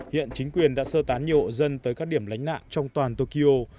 hiện chính quyền đã sơ tán nhiều hộ dân tới các điểm lánh nạn trong toàn tokyo